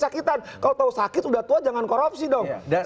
kalau tau sakit udah tua jangan korupsi dong